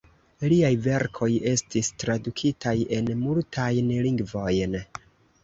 Liaj verkoj estis tradukitaj en multajn lingvojn.